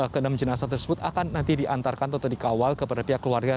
ke enam jenazah tersebut akan nanti diantarkan atau dikawal kepada pihak keluarga